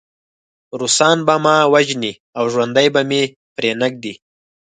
روسان به ما وژني او ژوندی به مې پرېنږدي